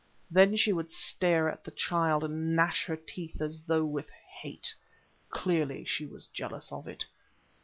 Then she would stare at the child and gnash her teeth as though with hate. Clearly she was jealous of it.